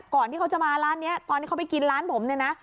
ที่เขาจะมาร้านนี้ตอนที่เขาไปกินร้านผมเนี่ยนะ